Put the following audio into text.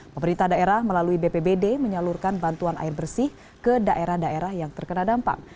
pemerintah daerah melalui bpbd menyalurkan bantuan air bersih ke daerah daerah yang terkena dampak